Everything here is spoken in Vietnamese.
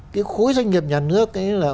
cái khối doanh nghiệp nhà nước ấy là